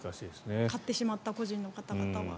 買ってしまった個人の方々は。